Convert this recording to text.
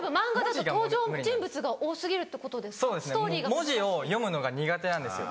文字を読むのが苦手なんですよ。